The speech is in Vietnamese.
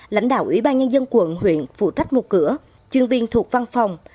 lãnh đạo ủy ban nhân dân quận huyện phụ trách một cửa chuyên viên thuộc văn phòng